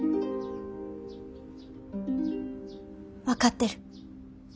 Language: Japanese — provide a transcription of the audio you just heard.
分かってる。